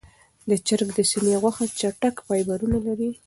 د چرګ د سینې غوښه چټک فایبرونه لري.